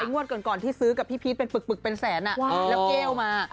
งวดก่อนที่ซื้อกับพี่พีชเป็นปึกเป็นแสนแล้วแก้วมา